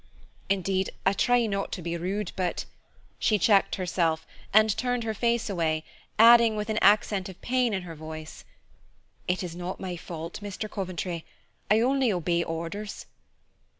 "Indeed I try not to be rude, but " She checked herself, and turned her face away, adding, with an accent of pain in her voice, "It is not my fault, Mr. Coventry. I only obey orders."